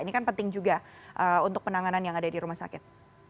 ini kan penting juga untuk penanganan yang ada di rumah sakit